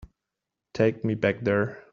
Take me back there.